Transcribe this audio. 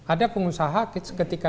ada pengusaha ketika